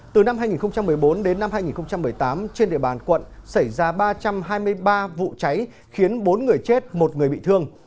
từ năm hai nghìn một mươi bốn đến năm hai nghìn một mươi tám trên địa bàn quận xảy ra ba trăm hai mươi ba vụ cháy khiến bốn người chết một người bị thương